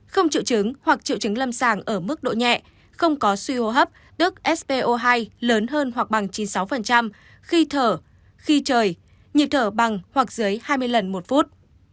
không triệu chứng hoặc triệu chứng lâm sàng ở mức độ nhẹ không có suy hô hấp tức spo hai lớn hơn hoặc bằng chín mươi sáu khi thở khi trời nhịp thở bằng hoặc dưới hai mươi lần một phút